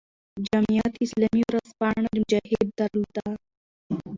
جمعیت اسلامي ورځپاڼه "مجاهد" درلوده.